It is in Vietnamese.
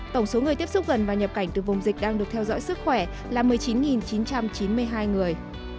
tổng số người tiếp xúc gần và nhập cảnh từ vùng dịch đang được theo dõi sức khỏe là một mươi chín chín trăm chín mươi hai người